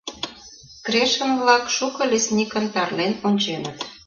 Крешын-влак шуко лесникын тарлен онченыт.